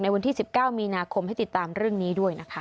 วันที่๑๙มีนาคมให้ติดตามเรื่องนี้ด้วยนะคะ